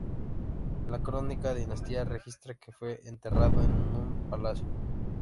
La "Crónica dinástica" registra que fue enterrado en un palacio.